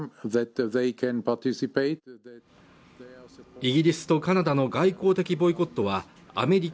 イギリスとカナダの外交的ボイコットはアメリカ